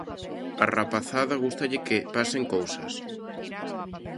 Á rapazada gústalle que pasen cousas.